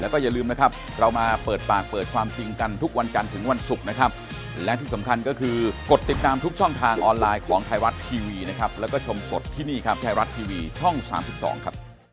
ก็คนส่วนใหญ่ก็จะเอาอย่างนี้นะ